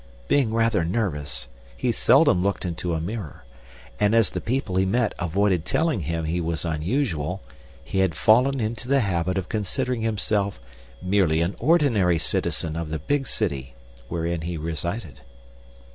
Being rather nervous, he seldom looked into a mirror; and as the people he met avoided telling him he was unusual, he had fallen into the habit of considering himself merely an ordinary citizen of the big city wherein he resided.